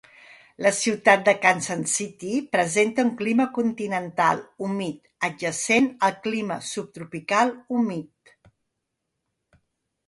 La ciutat de Kansas City presenta un clima continental humit adjacent al clima subtropical humit.